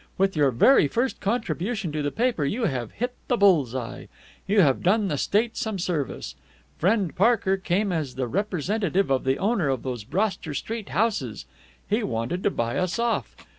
With your very first contribution to the paper you have hit the bull's eye. You have done the state some service. Friend Parker came as the representative of the owner of those Broster Street houses. He wanted to buy us off.